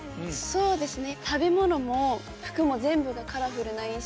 そうですね。